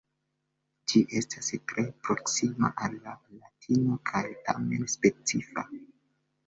Ĝi estas tre proksima al la latina kaj tamen specifa.